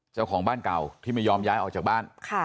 เจ้าของบ้านเก่าที่ไม่ยอมย้ายออกจากบ้าน